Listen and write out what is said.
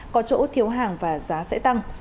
có chỗ thiếu hàng và giá sẽ tăng